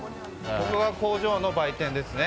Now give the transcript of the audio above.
ここが工場の売店ですね。